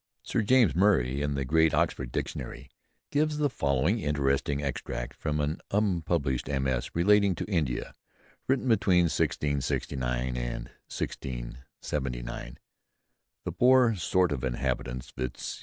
Sir James Murray, in the great Oxford Dictionary, gives the following interesting extract from an unpublished MS. relating to India, written between 1669 and 1679: "The Poore Sort of Inhabitants vizt.